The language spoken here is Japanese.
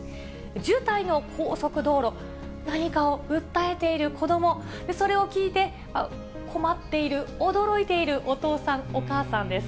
渋滞の高速道路、何かを訴えている子ども、それを聞いて、困っている、驚いているお父さん、お母さんです。